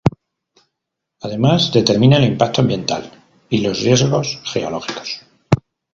Además, determina el impacto ambiental y los riesgos geológicos.